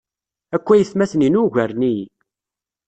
Akk aytmaten-inu ugaren-iyi.